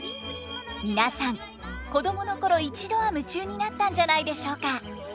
皆さん子供の頃一度は夢中になったんじゃないでしょうか。